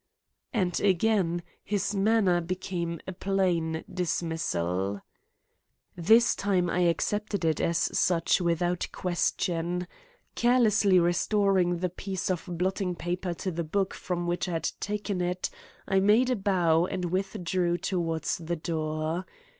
And again his manner became a plain dismissal. This time I accepted it as such without question. Carelessly restoring the piece of blotting paper to the book from which I had taken it, I made a bow and withdrew toward the door.